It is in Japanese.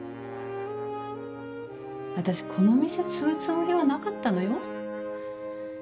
私この店継ぐつもりはなかったのよ。